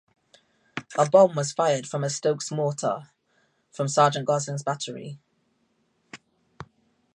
A bomb was fired from a Stokes Mortar from Sergeant Gosling's battery.